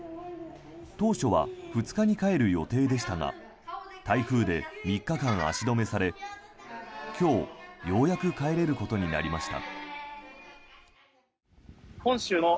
当初は２日に帰る予定でしたが台風で３日間足止めされ今日、ようやく帰れることになりました。